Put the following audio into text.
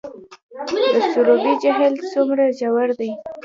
د سروبي جهیل څومره ژور دی؟